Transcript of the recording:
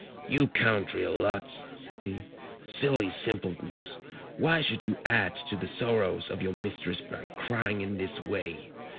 "You country louts," said he, "silly simpletons; why should you add to the sorrows of your mistress by crying in this way?